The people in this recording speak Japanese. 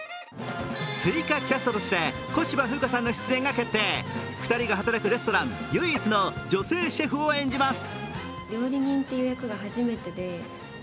追加キャストとして小芝風花さんの出演が決定２人が働くレストラン唯一の女性シェフを演じます。